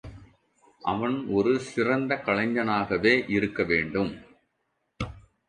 அவன் ஒரு சிறந்த கலைஞனாகவே இருக்க வேண்டும்.